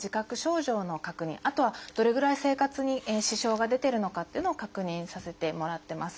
あとはどれぐらい生活に支障が出てるのかというのを確認させてもらってます。